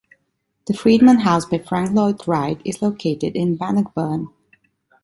The Friedman house by Frank Lloyd Wright is located in Bannockburn.